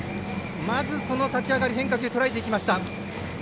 まず立ち上がり、変化球をとらえていきました。